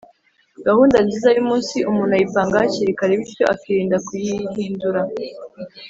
Gahunda nziza yumunsi umuntu ayipanga hakiri kare bityo akirinda kuyihindura